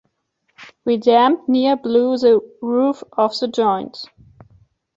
We damned near blew the roof off the joint.